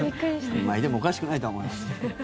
まあいてもおかしくないとは思います。